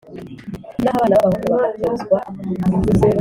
naho abana b’abahungu bagatozwa